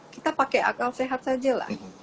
kita pakai akal sehat saja lah